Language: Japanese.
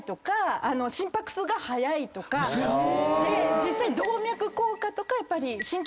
実際。